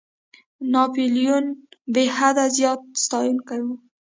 ناپولیون بېحده زیات ستایونکی وو.